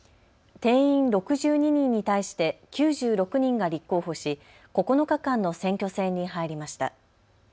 定員６２人に対して９６人が立候補し９日間の選挙戦に入りました。